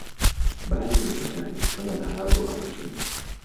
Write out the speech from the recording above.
Baadhi ni metali, kama dhahabu au chuma.